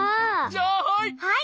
じゃあはい！